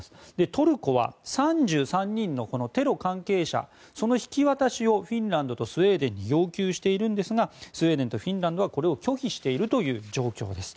トルコは３３人のテロ関係者その引き渡しをフィンランドとスウェーデンに要求しているんですがスウェーデンとフィンランドはこれを拒否している状況です。